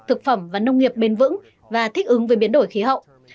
thực phẩm và nông nghiệp bền vững và thích ứng với biến đổi khí hậu